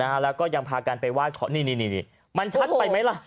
นะฮะแล้วก็ยังพากันไปไหว้ขอนี่นี่มันชัดไปไหมล่ะ